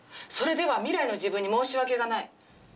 それでは未来の自分に申し訳がない。